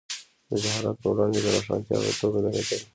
د جهالت پر وړاندې د روښانتیا په توګه درېدل.